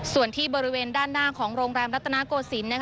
ส่วนที่บริเวณด้านหน้าของโรงแรมรัฐนาโกศิลป์